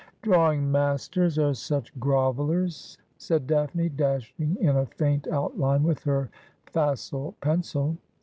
' Drawing masters are such grovellers,' said Daphne, dashing in a faint outline with her facile pencil.